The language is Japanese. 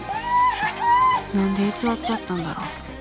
何で偽っちゃったんだろう。